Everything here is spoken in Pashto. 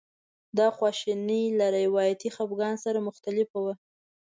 دا خواشیني له روایتي خپګان سره مختلفه وه.